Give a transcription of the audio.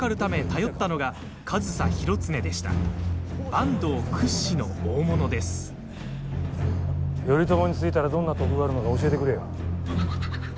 頼朝についたら、どんな得があるのか教えてくれよ。